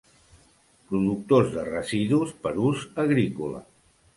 Productors de residus per ús agrícola.